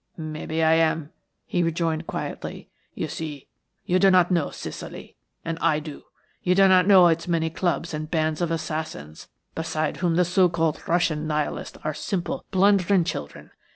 "Maybe I am," he rejoined quietly. "You see, you do not know Sicily, and I do. You do not know its many clubs and bands of assassins, beside whom the so called Russian Nihilists are simple, blundering children.